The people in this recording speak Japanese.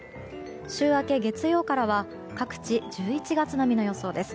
週明け月曜からは各地１１月並みの予想です。